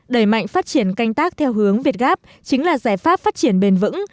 đẩy mạnh phát triển canh tác theo hướng việt gáp chính là giải pháp phát triển bền vững